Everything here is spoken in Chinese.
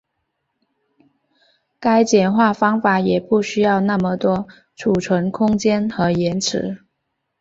该简化方法也不需要那么多存储空间和延迟。